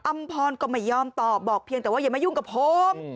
อำพรก็ไม่ยอมตอบบอกเพียงแต่ว่าอย่ามายุ่งกับผม